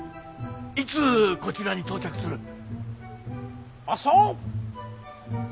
いつこちらに到着する。